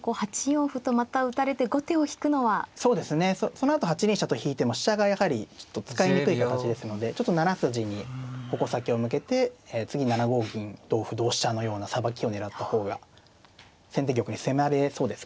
そのあと８二飛車と引いても飛車がやはりちょっと使いにくい形ですので７筋に矛先を向けて次７五銀同歩同飛車のようなさばきを狙った方が先手玉に迫れそうですからね。